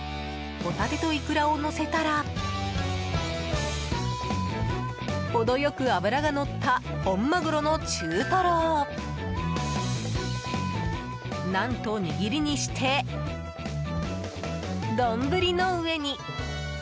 ホタテとイクラをのせたらほど良く脂がのった本マグロの中トロを何と握りにして丼の上に。